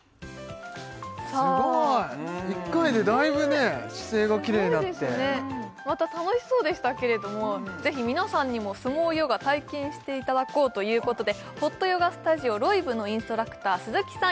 １回でだいぶ姿勢がきれいになってまた楽しそうでしたけれどもぜひ皆さんにも相撲ヨガ体験していただこうということでホットヨガスタジオ・ロイブのインストラクター鈴木さん